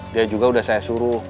dia juga sudah saya suruh